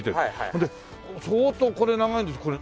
ほんで相当これ長いこれ。